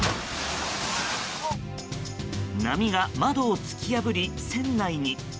波が窓を突き破り、船内に。